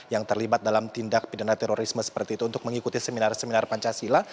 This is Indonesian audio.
yang terlibat dalam tindak pidana terorisme seperti itu untuk mengikuti seminar seminar pancasila